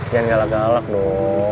jangan galak galak dong